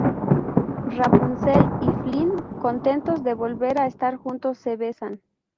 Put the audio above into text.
Rapunzel y Flynn contentos de volver a estar juntos se besan.